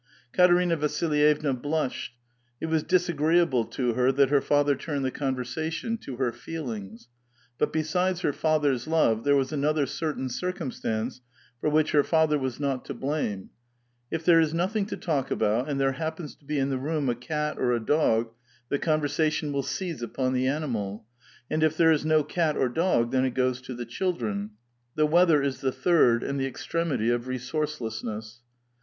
Katerina Vasilyevna blushed ; it was disagreeable to her that her father turned the conversation to her feelings : but besides her father's love there was another ceilain circum stance, for which her father was not to blame ; if there is nothing to talk about, and there happens to be in the room a cat or a dog, the conversation will seize upon the animal ; and if there is no cat or dog, then it goes to the children. The weather is the third and the extremit}' of resourcelessness.